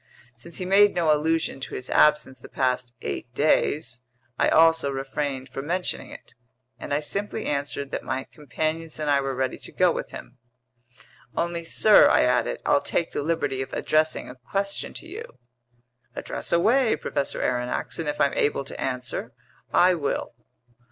Since he made no allusion to his absence the past eight days, I also refrained from mentioning it, and I simply answered that my companions and I were ready to go with him. "Only, sir," I added, "I'll take the liberty of addressing a question to you." "Address away, Professor Aronnax, and if I'm able to answer, I will."